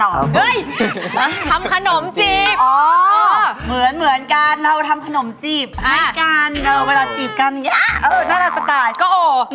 มาทำขนมจีบเหมือนกันเราทำขนมจีบให้กันเวลาจีบกันยากจะตายก็โอ้